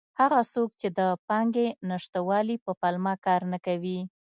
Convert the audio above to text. هغه څوک چې د پانګې نشتوالي په پلمه کار نه کوي.